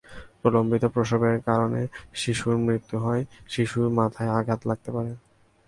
প্রলম্বিত প্রসবের কারণে শিশুর মৃত্যু হয়, শিশুর মাথায় আঘাত লাগতে পারে।